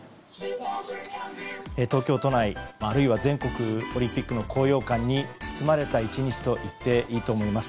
東京都内あるいは全国オリンピックの高揚感に包まれた１日と言っていいと思います。